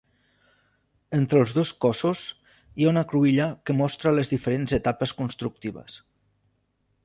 Entre els dos cossos hi ha una cruïlla que mostra les diferents etapes constructives.